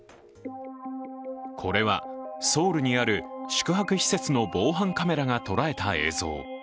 これはソウルにある宿泊施設の防犯カメラが捉えた映像。